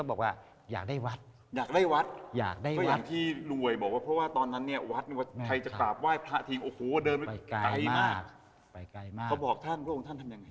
โอ้โหเดินไปไกลมากไปไกลมากเขาบอกท่านพระองค์ท่านทำยังไง